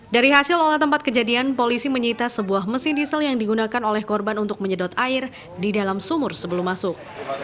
dari hasil olah tempat kejadian polisi menyita sebuah mesin diesel yang digunakan oleh korban untuk menyedot air di dalam sumur sebelum masuk